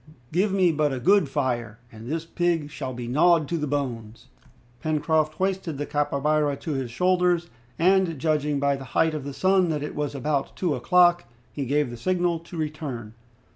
"Give me but a good fire, and this pig shall be gnawed to the bones!" Pencroft hoisted the capybara on his shoulders, and judging by the height of the sun that it was about two o'clock, he gave the signal to return.